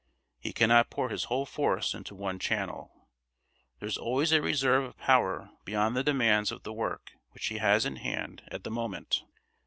He cannot pour his whole force into one channel; there is always a reserve of power beyond the demands of the work which he has in hand at the moment.